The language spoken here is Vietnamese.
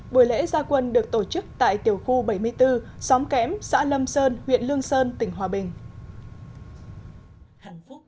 buổi lễ gia quân được tổ chức tại tiểu khu bảy mươi bốn xóm kém xã lâm sơn huyện lương sơn tỉnh hòa bình